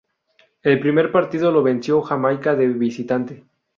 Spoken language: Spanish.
El primer partido lo venció Jamaica de visitante.